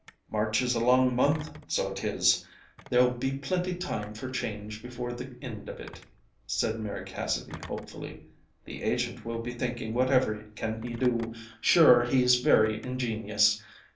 "March is a long month, so it is there'll be plinty time for change before the ind of it," said Mary Cassidy hopefully. "The agent will be thinking whatever can he do; sure he's very ingenious.